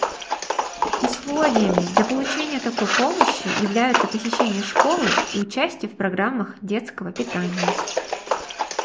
Условиями для получения такой помощи являются посещение школы и участие в программах детского питания.